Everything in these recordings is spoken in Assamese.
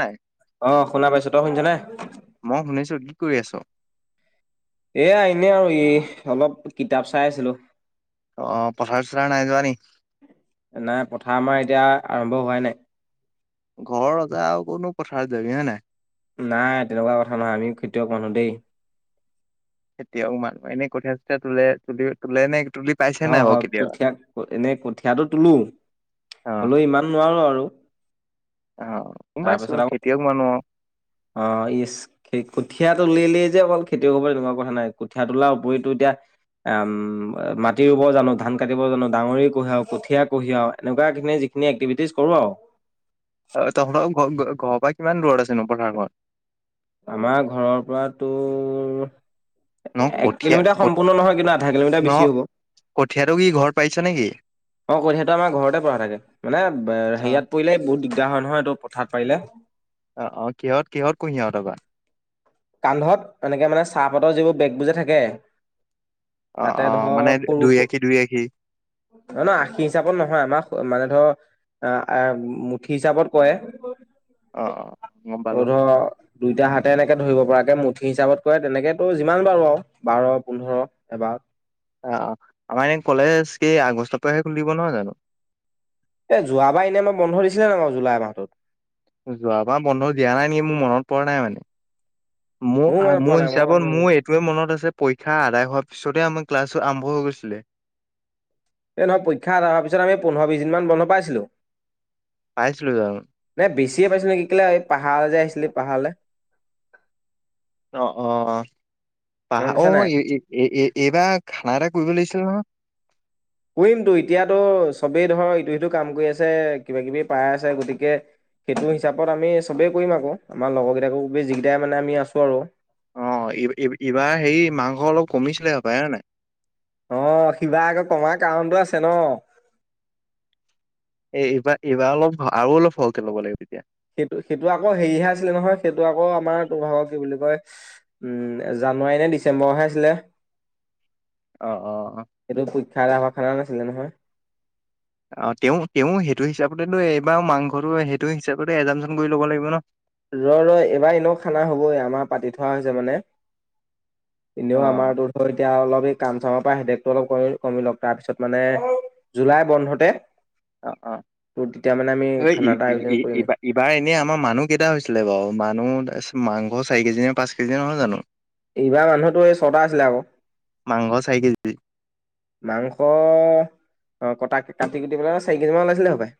নাই অঁ শুনা পাইছো তই শুনিছ নে মই শুনিছো কি কৰি আছো এয়া এনে আৰু ই অলপ কিতাপ চাই আছিলো অঁ পথাৰ চৰা নাই যোৱা নি নাই পথাৰ আমাৰ এতিয়া আৰম্ভ হোৱাই নাই ঘৰতে আ কতনো পথাৰত যাবি হয় নাই নাই তেনেকুৱা কথা নহয় আমিও খেতিয়ক মানুহ দেই এতিয়াও মানুহ এনেই কঠীয়া চীয়া তোলে তুলি তোলে নে তুলি পাইছে নাই হয় বাৰু হয় কেতিয়াবা কঠীয়া এনেই কঠিয়াটো তোলো হলেও ইমান নোৱাৰো আৰু আহ গম পাইছো খেতিয়ক মানু অঁ ই কঠিয়াত উলিলি যে অকল খেতিয়ক হব এনেকুৱা কথা নাই কুঠীয়া তোলাৰ উপৰিতো এতিয়া উম মা কাটি জানো ধান কাটিব জানো কঢ়িয়াও কঠীয়া কঢ়িয়াও এনেকুৱাখিনি যিনি একটিভি কৰো আৰু তহঁতৰ ঘ ঘৰৰ পৰা কিমান দূৰত আছেনো পথাৰখন আমাৰ ঘৰৰ পৰাতো ন এক কঠীয়া কিলোমিটাৰ সম্পূৰ্ণ নহয় কিন্তু আধা কিলোমিটাৰ বেছি হ'ব কঠিয়া ৰোই ঘৰ পাইছ নেকি অ কঠিয়াটো আমাৰ ঘৰতে পৰা থাকে মানে অ বেৰিয়াত পৰিলে বহুত দিগদাৰ হয় নহয় এইটো পথাৰত পাৰিলে আহ অ কিহত কিহঁত কুহি আহঁতকান [unintelligible] কান্ধত এনেকে মানে চাহপাতৰ যিবোৰ বেগবো যে থাকে অ তাতে অ মানে ধৰ সৰু দুই আশী দুই আশী নহ ন আশী হিচাপত নহয় আমাৰ মানে হিচাপ ত কৰে। অ অ গ পালো [unintelligible] দুইটা হাতে এনেকে ধৰিব ৰাকে মুঠি হিচাপত কৰে তেনেকেতো যিমান বাৰো আৰু বাৰ পোন্ধৰ এবাৰ আহ আমাৰ এনে কলেজ কি আগষ্টৰ পৰাহে খুলিব নহয় জানো এ যোৱাবাৰ এনেই মই বন্ধ দিছিলে ন বাৰ জুলাই মাহটোত যোৱাবাৰ বন্ধ দিয়া নাই নেকি মোৰ মনত পৰা নাই মানে মোৰ মনত পৰা মোৰ নাই মই কথাটো হিচাপত মোৰ কৈছো এইটোয়ে মনত আছে পৰীক্ষা আদায় হোৱাৰ পিছতে আমাৰ ক্লাছটো আৰম্ভ হৈ গৈছিলে এই নহয় পৰীক্ষা এদায় হোৱাৰ পিছত আমি পোন্ধৰ বিশ দিনমান বন্ধ পাইছিলো পাইছিলোঁ জানো [unintelligible] নাই বেছিয়ে পাইছো নেকি কেলে এই পাহাৰ যে আহিছিলি পাহাৰলৈ [unintelligible] অ অ পাহ মনত অ আছে নাই এইবাৰ খানা এটা কৰিব লাগছিল [unintelligible] উ কৰিমটো এতিয়াতো চবেই ধৰ ইটো সিটো কাম কৰি আছে কিবা কিবি পাই আছে গতিকে [unintelligible] সেইটো হিচাপত আমি সবেই কৰিম আকৌ আমাৰ লগৰ কেইটাকো খুবেই যিকেইটা মানে আমি আছো আৰু অ এইবাৰ হেৰি মাংস অলপ কমিছিলে হবায় হয় নাই আহ শিৱা আগৌ কমাৰ কাৰণটো আছে ন [unintelligible] এ এইবাৰ এইবাৰ অলপ আৰু অলপ সকে ল'ব লাগিব তেতিয়া সেইটো সেইটো আকৌ হেৰিহে আছিলে নহয় সেইটো আকৌ আমাৰ তো ধৰ কি বুলি কয় [unintelligible] উম জানুৱাৰী নে ডিচেম্বৰহে আছিলে আহ অ অ [unintelligible] খাই খোৱাই নাছিলে নহয় অ তেওঁ তেওঁ সেইটো হিচাপতেতো এইবাৰ মাংসটো সেইটো হিচাপ এজামচ কৰি লব লাগিব ন [unintelligible] ৰ ৰ এইবাৰ এনেও খানা হ'বই আমাৰ পাতি থোৱা হৈছে মানে অ এনেও আমাৰতো ধৰ এতিয়া অলপ কাম চামৰ পৰা হেদকটো অলপ ক কমি লওক তাৰপিছত মানে জুলাই বন্ধতে [unintelligible] অ অ তোৰ তেতিয়া মানে আমি খানা এটা আয়োজন কৰিমেই এইবাৰ এনে আমাৰ মানুহ কেইটা হৈছে আছিলে বাৰু মানুহ মাংস চাৰি কেজি নে পাঁচ কেজি নহয় জানো এইবাৰ মানুহতো এই ছটা আছিলে আকৌ মাংস চাৰি কেজি মাংস অ কটা কাটি কুটি পেলাই চাৰি কেজি মান ওলাইছিলে হপাই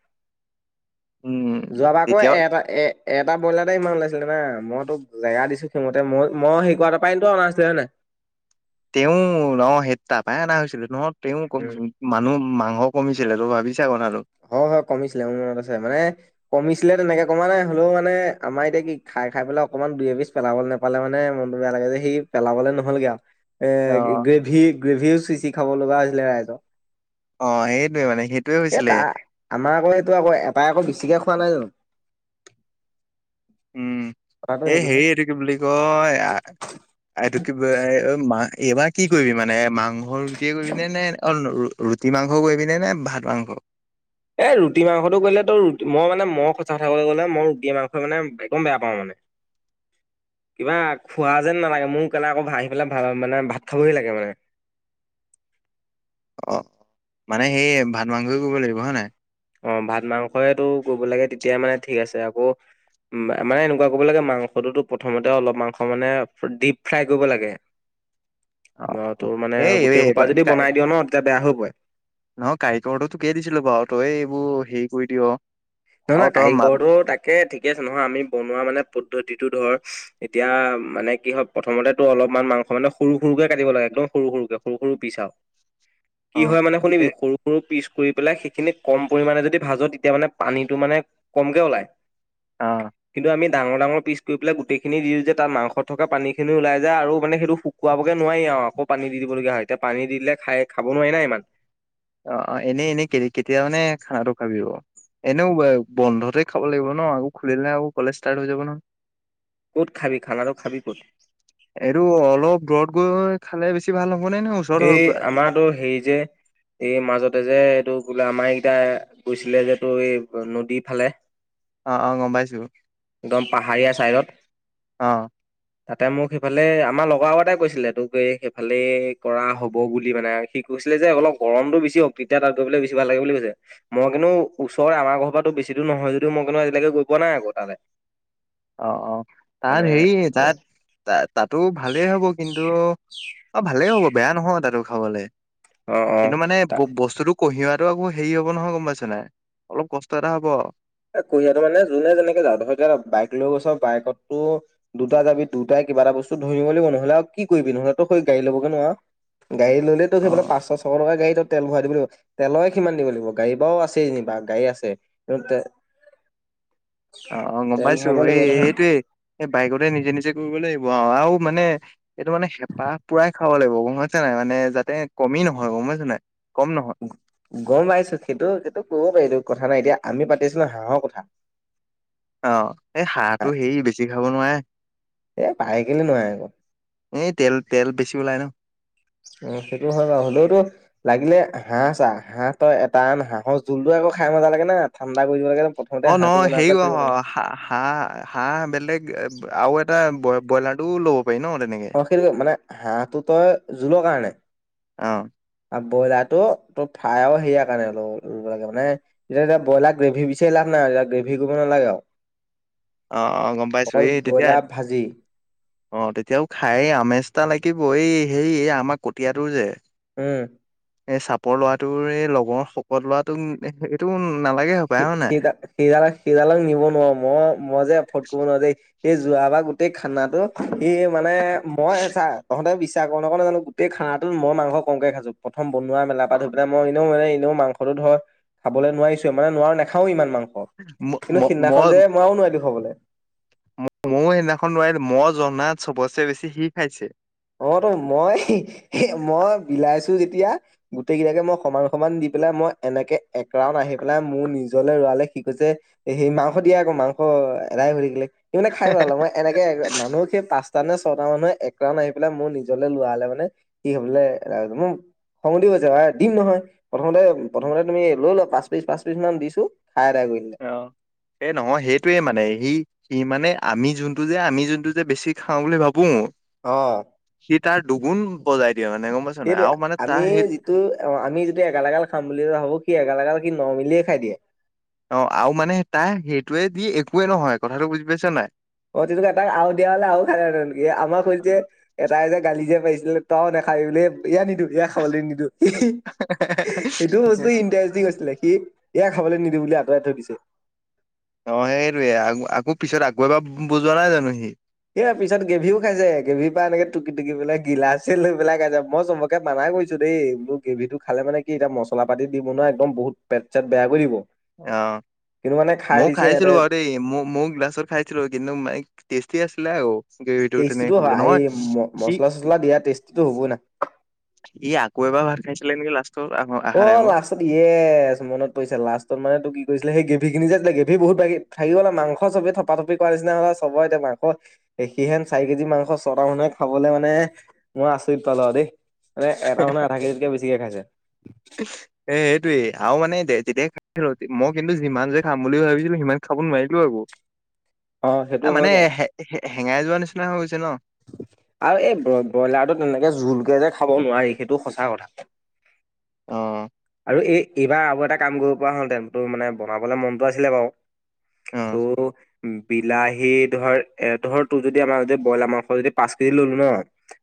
উম যোৱাবা আকৌ তেতিয়াও এ এটা এ এটা ব্ৰইলাৰতে ইমান ওলাইছিলে না মইতো জেগা দিছো সিমতে মই মই সেইকৱা পাইতো অনা নছিলে হয় নাই [unintelligible] [inaudible] তেওঁ ন সে তা পায় অনা হৈছিলে নহয় তেওঁ উম মানুহ মাংস কমিছিল ছিলে তো ভাবি হয় হয় কমিছিলে মোৰ মনত আছে মানে কমি আছিলে তেনেকে কমানাই হলেও মান আম এতিয়া কি খাই খাই পেলাই অকমান দুই এ পিছ পেলাব নাপালে মনটো বেয়া লাগে [unintelligible] যে সি পেলাবলে নহলগে আও এ অ গ্ৰেভি গ্ৰেভিও চিচি খাব লগা হৈছিলে ৰাইজক [unintelligible] অ সেইটোৱে মানে সেইটোৱে এ হৈছিলে তা আমাৰ আকৌ এইটো আকৌ এটাই আকৌ বেছিকে খোৱা নাই জানো উম কথাটো এই সেইটোহে। হেৰি এইটো কি বুলি কয় আৰু কি মা এইবাৰ কি কৰিবি মানে মাংস ৰুটিয়ে কৰিব পিনে নে অ ৰুটি মাংস কৰিবি নে ভাত মাংস [unintelligible] এ ৰুটি মাংসটো কৰিলে তোৰ মই মানে মই সঁচ কথাাকলৈ গ'লে মই ৰুটি মাংসই মানে একদম বেয়া পাওঁ মানে [unintelligible] কিবা খোৱা যেন নালাগে মোৰ কেলে আকৌ আহি পেলাই ভাল মানে ভাত খাবহি লাগে মানে অ মানে সেই ভাত মাংস কৰিব লাগিব হয় নাই অ ভাত মাংসইটো কৰিব লাগে তেতিয়া মানে ঠিক আছে আকৌ মানে এনেকোৱা কৰিব লাগে মাংসটোতো প্ৰথমতে অলপ মাংস মানে ডিপ ফ্ৰাই কৰিব লাগে [unintelligible] অ আহ অ তোৰ মানে এই এই গোটেই সোপা যদি বনাই দিয়ো ন তেতিয়া বেয়া হৈ পৰে নহ কাইকৰটো থিকেই দিছিলো বাৰু তই এইবোৰ হেৰি কৰি দিয় নহয় আৰু নহয় তই মাত কাৰিকৰটো তাকে ঠিকে আছে নহয় আমি বনোৱা মানে পদ্ধতি ধৰ এতিয়া মানে কি হয় প্ৰথমতেটো অলপমান মাংস মানে সৰু সৰুকে কাটিব লাগে একদম সৰু সৰু সৰুকে সৰু সৰু পিছ আও কি অ হয় মানে শুনিবি এ সৰু সৰু পিছ কৰি পেলাই সেইখিনি কম পৰিমণে যদি ভাজো তেতিয়া মানে পানীটো মানে কমকে ওলাই অ কিন্তু আমি ডাঙৰ ডাঙৰ পচ কৰি পেলাই গোটেইখিনি দিওঁ যে তাত মাংস থকা পানী খিনি ওলাই যায় আৰু মানে সেইটো শুকাবগে নোৱাৰি আৰু অ আকৌ পানী দি দিবলগীয়া হয় এতিয়া পানী দি দিলে খাই খাব নোৱি নাই ইমান অ অ এনেই এনেই কে কেতিয়া মানে খানাটো খাবি অ এনেও বন্ধতে খাব লাগিব ন আকৌ খুলিলে আকৌ কলেজ ষ্টাৰ্ট হৈ যাব ন ক'ত খাবি খানাটো খাবি ক'ত এইটো অলপ ৰদ গৈ খালে বেছি ভাল হব নে নে ওচৰত এই হওক আমাৰো হেৰি যে এই মাজতে যে এইটো বোলে আমাৰকেইটাই গৈছিলে যে টোৰ এই নদী ফালে অ অ গম পাইছো একদম পাহাৰীয়া ছাইডত অ তাতে মোক সেইফালে আমাৰ লগৰ আগতোই কৈছিলে তোক সেইফালে কৰা হ'ব বুলি মানে সি কৈছিলে যে অলপ গৰমতটো বেছি হওক তেতিয়া তাত গৈ পেলাই বেছি ভাল লাগে বুলি কৈছে মই কিন্তু কিন্তু ওচৰ আমাৰ ঘৰ পৰাতো বেছি দূৰ নহয় যদিও আজিলৈকে গৈ পোৱা নাই আকৌ তালৈ অ অ তাত হেৰি তাতে। তাত তাতো ভালেই হ'ব কিন্তু অ ভালেই হ'ব বেয়া নহয় তাতো খাবলৈ অ অ কিন্তু মানে তা ব বস্তুতটো কঢ়িও এইটো আকৌ হেৰি হব নহয় গম পাইছ নাই অলপ কষ্ট এটা হ'ব এ কঢ়িয়াতো মানে যোনে যেনেকে যাওঁ বাইক লৈ গৈছ বাইকো দুটা যাবি দুটাই কিবা এটা বস্তু ধৰি নিব লাগিব নহলে আৰু কি কৰিবি নহলে তো সেই গাডী লবগে নোৱাৰ গাডী ল'লেতো অ পাঁশ ছশ টকা গাড়ীত তেল ভৰাই দিব লাগিব তেলৰে কিমান দিব লাগিব গাড়ী বাও আছে যেনিবা গাড়ী আছে অ অ গম তেল পাইছো ভৰাব এই লাগিব নহয় সেইটোৱে এই বাইকতে নিজে নিজে কৰিব লাগিব আৰু আৰু মানে এইটো মানে হেঁপাহ পুৰাই খাব লাগিব হৈছে নাই মানে যাতে কমি তুমি নহয় গম পাইছ নাই কম নহয় গম পাইছো সেইটো সেইটো কব পাৰি এইটো কথা নাই এতিয়া আমি পাতিছো ন হাঁহৰ কথা অ এই হাঁহটো সে বেছি খাব নোৱাৰে এ পাৰে কেলে নোৱাৰে আকৌ এই তেল তেল বেছি ওলায় ন অ সেইটো হয় বাৰু হ'লেওতো লাগিলে হাঁহ চ হাঁহ তই এটান হাঁহৰ জোল দ খাই মা লাগে ন ঠাণ্ডা কৰি দিব লাগে প্ৰথমতে অ ন হাঁহটো বনাই পেলাই সেৰিও থৈ দিব লাগে। হাঁহ হাঁহ বেলেগ আৰু এটা ব্ৰইলাৰ টো ল'ব পাৰি ন তেনেকে অ, সেইটো মানে হাঁহটো তই জোলৰ কাৰণে অ আৰু ব্ৰইলাৰ টো ত ফ্ৰাই সেয়া কাৰণে লব লাগে মানেতিয়াতিয়া ব্ৰইলাৰ গ্ৰেভি বিচাৰি লাভ না নাইত গ্ৰেভি কৰিব নালাগে আৰু আহ আহ গম পাইছো অকল এই তেতিয়া ব্ৰইলাৰ ভাজি অ তেতিয়াও খাই আমেজটা লাগিব এই হে এই আমাৰ কটীয়াটোৰ যে উম এ চাপৰ ল'ৰাটোৰে লগৰ শকত লৰাটো এইটো নালাগে হপাই সি হয় নাই সি সিডালাক সিডালাক নিব নোৱাৰো মই মই যে ফট কৰিব নোৱাৰোই [unintelligible] এই যোৱা বা গোটেই খানাটো ই মানে মই ছা তহঁতে নক নানো গোেই খাটো মই মাংস কমক খাইছো প্ৰথম বনোৱা মেলা পৰা ধৈ পেলাই মই এনেও মান এনেও মংসটোত [unintelligible] ধৰ খাবলৈ নোৱাৰিছো মানে নোৱাৰো নাখাও ইমান মাংস ম ম কিন্তু সিদিনাখনন যে মৰাও নোৱাৰি দি খবলৈ ম ময়ো সেইদিনাখন ৰোৱাৰ মই জনাত চবছেে বেছি সি খাইছে [unintelligible] অ তো মই মই বিলাইছো যেতিয়া গোটেই কিলাকে মই সমান সমান দি পেলাই মই এনেকে একৰাউন আহি পেলাই মোৰ নিজলৈ ৰৰালে শিকো যে সেই মাংস দিয়ে আকৌ মাংস অ এদাই ভুৰি গিলে সি মানে খাই ভ নালে মই এনেকে মানুহ সেই পাঁচটা নে ছটা মানুহে এক ন আহ পাই মোৰ নিজলৈ লোৱা হলে মানে স হব মোৰ খঙ দি গৈছে দিম নহয় প্ৰথমতে প্ৰথমতে তুমি লৈ লোৱা পাঁচ পিচ পাঁচ পিচ মান দিছো খাই আদাই কৰি দিলে অ এই নহয় সেইটোৱে মানে সি ই মানে আমি যোনটো যে আমি যোনটো যে বেছি খাওঁ বুলি ভাবো অ দুুগুন বজাই দিয়ে মানে গম পাইছ নাই সেইটোৱে আৰু মানে তাৰ আমি সেই যিটো আমি যিটো এগালগাল খাম বুলি ভাবো সি এগালগাল [unintelligible] নৰমেলিয়ে খাই দিয়ে অ আৰু মানে তাই সেইটোৱে দি একোৱে নহয় কথাটো বুজি পাইছে নাই অ তেতিয়া হলে আৰু দিয়া হলে আৰু খালে হেঁতেন আমাৰ শৈল যে এটাই যে গালি যে পাৰিছে যদি পাওঁ নেখাবি বুলি এয়া নিদু এয়া খাবলৈ নিদু সেইটো বস্তু ইণ্টাৰেষ্টিং কৈছিলে সি ইয়া খাবলৈ নিদু বুলি আঁতৰাই থৈ দিছে বুজোৱা নাই জানো সি এয়া পিছত গেভভিও খাইছে গেভীৰ পৰা এনেকে টুকি টুকি পেলাই গিলাচে লৈ পেলাই খাইছে মই চবকে মানাই [unintelligible] কৰিছো দেই বুলোঁ গ্ৰেভিটো খালে মানে কি এতিয়া মছল পাতি দি বনোৱা একদম বহুত পেট চেট বেয়া কৰি দিব [unintelligible] অ কিন্তু মানে খাই মই দিছে ইহঁতে খাইছিলো বাৰু দেই মোৰ গিলাচত খাইছিলো কিন্তু মে টেষ্টি আছিলে আও টেষ্টিটো এই সি মচলা চচলা দিয়া টেষ্টিটো হ'বই না ই আকৌ এবাৰ ভাত খাইছিলে নেকি লাষ্ট অ লাষ্টত ইয়েচ মনত পৰিছে লাষ্ট মানেটো কি কৰিছিলে সেই গ্ৰেভিখিনি যে আছিলে গ্ৰেভি বহুত থাকি গল মাংস চবেই থপা থপি কৰা নিছিনা হল আকৌ সিহেন চাৰি কেজি মাংস ছটা মানুহে খাবলৈ মানে মই আচৰিত পালো দেই এ এটা মানে আধা কেজিতকে বেছিকে খাইছে এ এইটোয়ে আৰু মানে এ যেতিয়াই খাইছিলো মই কিন্তু যিমান যে খাম বুলি ভাবিছিলো সিমান খাব ফোন মাৰিলো আকৌ অ সেইটো এ হয় মানে বাৰু। হেঙাই যোৱা নিচিনা হৈ গৈছে ন [inaudible] আৰু এই ব্ৰইলাৰটো তেনেকে জোলকে যে খাব নোৱাৰি সেইটো সঁচা কথা অ আৰু এই এইবাৰ আৰু এটা কাম কৰিব পৰা হলহঁতেন তো মানে বনাবলে মনতটো আছিলে বাৰু অ তোৰ বিলাহী ধৰ এ ধৰ তোৰ যদি আমাৰ যদি ব্ৰইলাৰ মাংস যদি পাঁচ কেজি ললো ন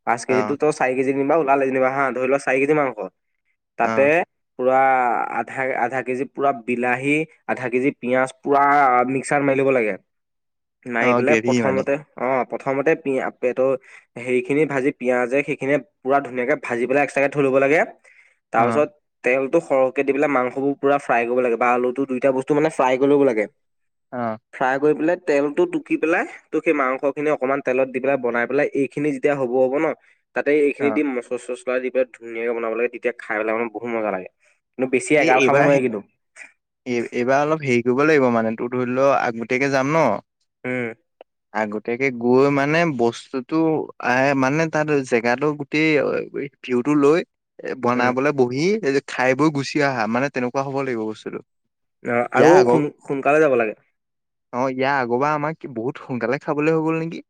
পাঁচ অ কেজিতো তো চাৰি কেজি ওলালে যেনিবা হা ধৰি লও চাৰি কেজি মাংস অ তাতে পুৰা আধা আধা কেজি পুৰা বিলাহী আধা কেজি পিয়াজ পুৰা মিক্সাৰ মাৰি লব লাগে [inaudible] মাৰি পেলে গ্ৰেভি মানে প্ৰথমতে অ প্ৰথমতে পেট হেৰি খিনি ভাজি পিয়াজে সেইখিনি পুৰা ধুনীয়াকে ভাজি পেলাই একট্ৰা কে থৈ লাগে অ তাৰপিছত তেলটো সৰহকে দি পেলাই মাংসবোৰ পুৰা ফ্ৰাই কৰিব লাগে বা আলুটো দুইটা বস্তু মানে ফ্ৰাই কৰিব লাগে অ ফ্ৰাই কৰি পেলাই তেলটো টুকি পেলাই ত সেই মাংস খিনি অকনমান তেলত দি পেলাই বনাই পেলাই এইখিনি যেতিয়া হ'ব হব ন তাতে এইখিনি দি অ মচলা চচলা দি পেলাই ধুনীয়াকে বনাব লাগে তেতিয়া খাই পেলাই মানে বহুত মজা লাগে। কিন্তু বেছি এই এগাল খাব এইবাৰ নোৱাৰি কিন্তু এইবাৰ অলপ হেৰি দিব লাগিব মানে তোৰ ধৰি ল আগতীয়াকে যাম ন, উম আগতীয়াকে গৈ মানে বস্তুতটো এ মানে তাত জেগাতটো গোটেই ভিউ টো লৈ এ উম বনাবলৈ বহি খাই বৈ গুচি অহা মানে তেনেকুৱা হ'ব লাগিব বস্তুটো অ আৰু ইয়াৰ আগৰ সোন সোনকালে যাব লাগে অ ইয়াৰ আগৰ বাৰ আমাক বহুত সোনকালে খাবলৈ হৈ গল নেকি।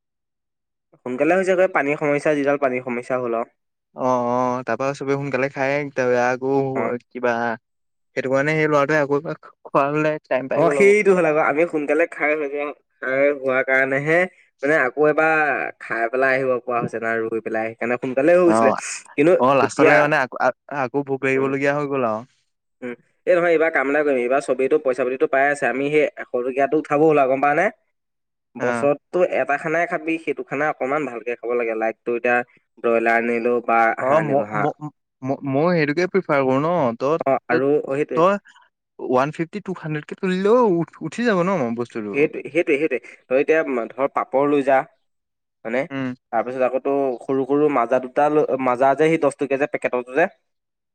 সোনকালে হৈছে গৈ পানীৰ সমস্যা যিডাল পানীৰ সমস্যা হল আৰু। অ অ তাৰ পা চবে সোনকালে খায় তাৰ আকৌ অ' কিবা সেইটো কাৰণে সেই ল'ৰাটোৱে আকৌ খোৱাই অ সেইটো হ'ল আকৌ আমি সোনকালে খাৰ হৈ যোৱা খাৰ হোৱা কাৰণেহে মানে আকৌ এবাৰ খাই পেলাই আহিব পৰা হৈছে ন ৰুই পেলাই আহি। এনে সোনকালে হৈ অ গৈছিলে কিন্তু অ এতিয়া লাষ্টলে মানে আকৌ আকৌ ভোক উম! লাগিবলগীয়া হৈ গ'ল আৰু উম এই নহয় এইবাৰ কাম নাই কৰিম এইবাৰ সবেইতো পইচা পাতিটো পাই আছে আমি সেই এশ টকীয়াটো উঠাব হ'ল আ গম পা আনে অ বছৰতটো এটা খানাই খাবি সেইটো খানাই অকনমান ভালকে খাব লাগে লাইটটো এতিয়া ব্ৰইলাৰ আনিলো। বা অ হাঁহ ম আনিলো হাঁহ মই সেইটোকে প্ৰিফাৰ কৰো ন ত অ' আৰু অ' সেইটোৱে তই ওৱান ফিফটি টু হানড্ৰেটকে তুলিলও উঠি যাব ন । সেইটো সেইটোৱে সেইটোৱে ধ এতিয়া ধৰ পাপৰ লৈ যা হয়নে, উম তাৰপিছত আকৌ ত সৰু সৰু মাজা দুটা ল মাজা যে সি দহ টকিয়া যে পেকেটো যে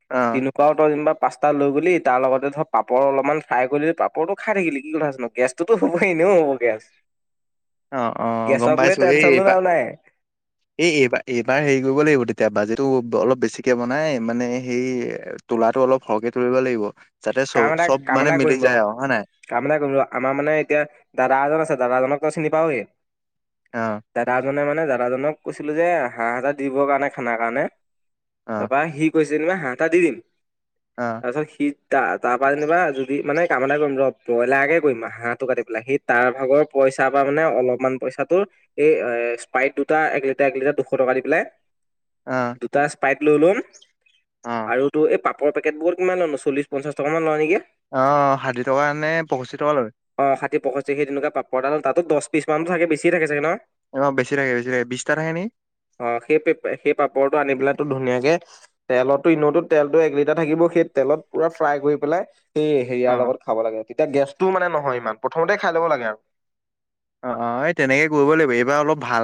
অ তেনেকুৱাও তই যেনিবা পাস্তা লৈ গলি তাৰ লগতে ধৰ পাপৰ অলপমান ফ্ৰাই কৰি পাপৰটো খাই থাকিলি কি কথা আছে নো গেষ্ট ততো হ'বই এনেও হব গেছ অ অ গম গেছক লৈ পাইছোঁ টেনচন লৈ এইবাৰ লাভ নাই। এই এইবাৰ এইবাৰ হেৰি কৰিব লাগিব তেতিয়া বাজেত টো অলপ বেছিকে বনাই মানে সেই তোলাটো অলপ সৰহকে তুলিব লাগিব। যাতে চ কাম এটা চব কাম মানে এটা মিলি কৰিম ৰ যায় আৰু হয় নাই কাম এটা কৰিম ৰ আমাৰ মানে এতিয়া দাদা এজন আছে দাদাজনক। চিনি পাওয়ে অ দাদাজনে মানে মে দাদাজনক কৈছিলো যে হাঁহ হাজাৰ দিবৰ কাৰণে খানাৰ কাৰণে, অ তাৰ পৰা সি কৈছিল যেনিবা হা এটা দি দিম অ তাৰপিছত সিত ত তাৰপ পৰা যেনিবা যদি মানে কাম এটা কৰিম ৰ ব্ৰইলাৰ কে কৰিম হাঁহটো কাটি পেলাই সেই তাৰ ভাগৰ পই পইচা পৰা মানে অলপমান পইচা টো এই এ স্পাইট দুটা এক লিটাৰ এক লিটাৰ দুশ টকা দি পেলাই অ দুটা স্পাইট লৈ ল'ম অ আৰু এই পাপৰ পেকেট বোৰ কিমান চল্লিশ পঞ্চাছটকা মান লয় নেকি। আহ ষাঠি টকাৰ কাৰণে পঁষষ্ঠি টকা লয়। এই পঁয়ষষ্ঠি সেই তেনেকুৱা পাপৰডাল তাতো দছ পিছ মান থাকে বেছিয়ে থাকে ন অ বেছি থাকে বেছি থাকে বিশটা থাকে নেকি অ সেই পে সেই পাপৰটো আনি পেলো ধুনীয়াকে কে তেলতো ইনতো তেলতো এক লিটাৰ থাকিব সেই তেলত পুৰা ফ্ৰাই কৰি পেলাই এইেই অ হেয়াৰ লগত খাব লাগে। তেতিয়া গেছটোও মানে নহয় ইমান প্ৰথমতে খাই ল'ব লাগে আৰু। অ অ এই তেনেকে কৰিব লাগিব এইবাৰ অলপ ভাল